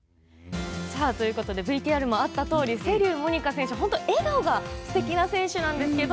ＶＴＲもあったとおり瀬立モニカ選手、本当に笑顔がすてきな選手なんですけど。